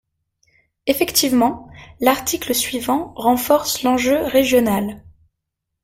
Effectivement, l’article suivant renforce l’enjeu régional.